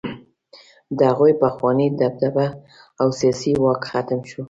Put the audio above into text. د هغوی پخوانۍ دبدبه او سیاسي واک ختم شو.